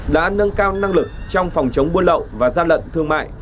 đã nâng cao năng lực trong phòng chống buôn lậu và gian lận thương mại